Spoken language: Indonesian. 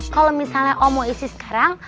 kalau misalnya om mau isi sekarang